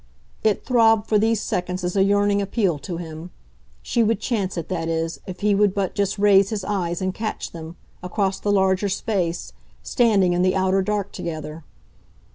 It throbbed for these seconds as a yearning appeal to him she would chance it, that is, if he would but just raise his eyes and catch them, across the larger space, standing in the outer dark together.